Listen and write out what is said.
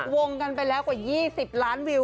วงกันไปแล้วกว่า๒๐ล้านวิว